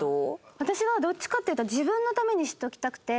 私はどっちかっていうと自分のために知っておきたくて。